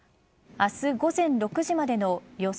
明日、午前６時までの予想